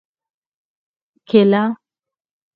🍌کېله